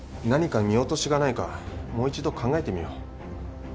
何か見落としがないかもう１度考えてみよう。